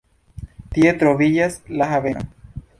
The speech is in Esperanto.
Tie troviĝas la haveno.